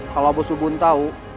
kalau bos ubon tahu